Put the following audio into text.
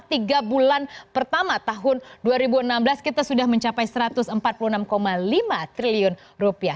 tiga bulan pertama tahun dua ribu enam belas kita sudah mencapai satu ratus empat puluh enam lima triliun rupiah